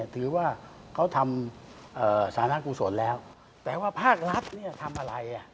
ถือว่าเขาทำสารกุศลแล้วแต่ว่าภาครัฐเนี่ยทำอะไร